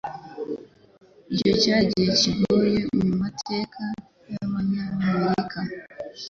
Icyo cyari igihe kigoye mumateka yabanyamerika.